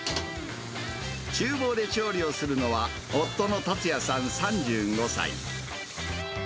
ちゅう房で調理をするのは、夫の達也さん３５歳。